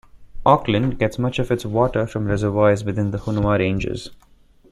Auckland gets much of its water from reservoirs within the Hunua Ranges.